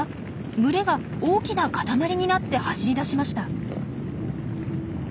群れが大きな塊になって走り出しました。